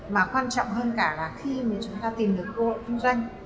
mà quan trọng hơn cả là khi mà chúng ta tìm được cơ hội kinh doanh